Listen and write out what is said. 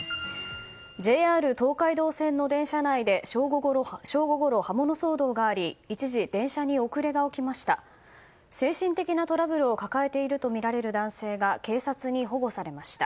ＪＲ東海道線の電車内で正午ごろ、刃物騒動があり一時、電車に遅れが起きました。